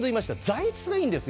材質がいいんです。